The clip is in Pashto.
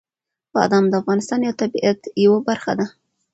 بادام د افغانستان د طبیعت یوه برخه ده.